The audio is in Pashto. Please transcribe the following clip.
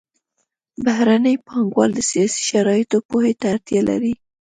بهرني پانګوال د سیاسي شرایطو پوهې ته اړتیا لري